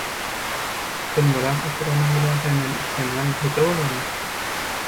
sülmüräp oturanyň bilen senden islenýän goja bolarmy?